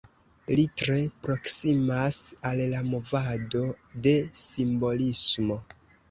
Li tre proksimas al la movado de simbolismo.